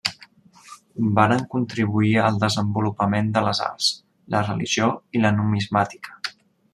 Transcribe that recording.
Varen contribuir al desenvolupament de les arts, la religió i la numismàtica.